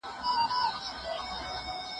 هغه هیڅکله ستاسو احسان نه هېروي.